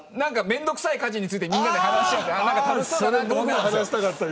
面倒くさい家事についてみんなで話したかった。